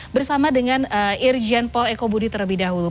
bersama dengan irjen paul eko budi terlebih dahulu